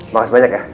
makasih banyak ya